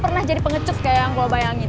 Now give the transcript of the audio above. pernah jadi pengecuk kayak yang gue bayangin